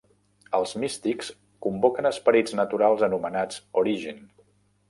Els místics convoquen esperits naturals anomenats "Origin".